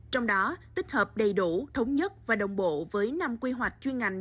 trong đó tích hợp đầy đủ thống nhất và đồng bộ với năm quy hoạch chuyên ngành